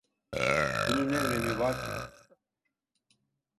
Bunun ne önemi var ki?